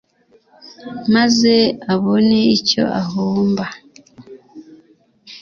maze abone icyo ahumba